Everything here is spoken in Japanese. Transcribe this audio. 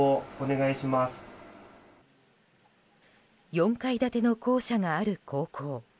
４階建ての校舎がある高校。